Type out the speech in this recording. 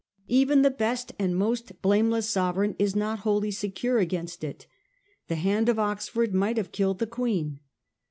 Even the best and most blameless sovereign is not wholly secure against it. The hand of Oxford might have killed the Queen.